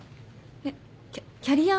えっキャキャリアアップ？